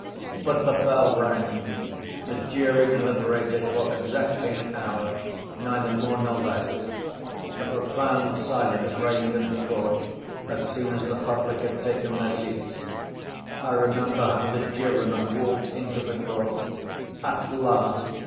But the bell rang. The jury deliberated for exactly an hour, neither more nor less. A profound silence reigned in the court as soon as the public had taken their seats. I remember how the jurymen walked into the court. At last!